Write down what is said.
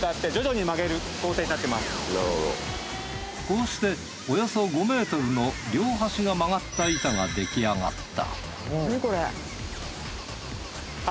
こうしておよそ５ｍの両端が曲がった板が出来上がった